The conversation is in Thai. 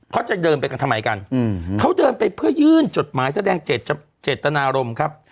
เขาจะเดินไปกันทำไมกันเขาเดินไปเพื่อยื่นจดหมายแสดงเจตนารมณ์ครับ